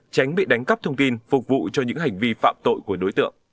tránh bị đánh cắp thông tin phục vụ cho những hành vi phạm tội của đối tượng